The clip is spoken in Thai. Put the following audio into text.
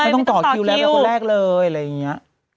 ต้องต่อคิวแล้วเป็นคนแรกเลยอะไรอย่างนี้